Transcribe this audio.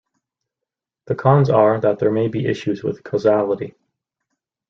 The cons are that there may be issues with causality.